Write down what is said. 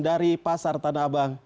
dari pasar tanah abang